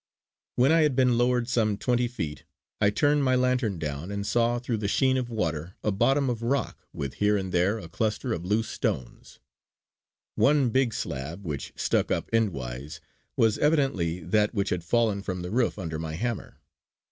When I had been lowered some twenty feet, I turned my lantern down and saw through the sheen of water a bottom of rock with here and there a cluster of loose stones; one big slab which stuck up endwise, was evidently that which had fallen from the roof under my hammer.